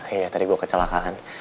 iya tadi gue kecelakaan